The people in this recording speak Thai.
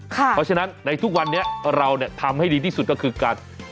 เพราะฉะนั้นในทุกวันนี้เราทำให้ดีที่สุดก็คือการ